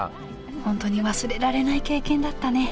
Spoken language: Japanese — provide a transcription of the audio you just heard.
本当に忘れられない経験だったね。